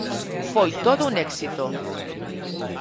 Foi todo un éxito.